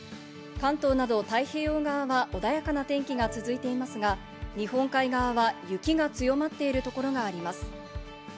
関東など太平洋側は穏やかな天気が続いていますが、日本海側は雪が強まっているところがあります。